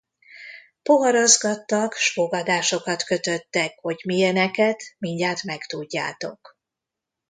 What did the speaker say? Poharazgattak, s fogadásokat kötöttek, hogy milyeneket, mindjárt megtudjátok.